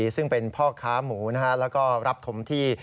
ซึ่งเป็นพ่อค้าหมูแล้วก็รับถมที่